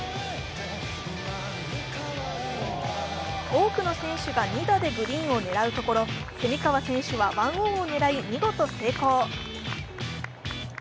多くの選手が２打でグリーンを狙うところ蝉川選手は１オンを狙い見事成功。